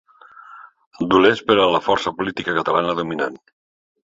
Dolents per a la força política catalana dominant.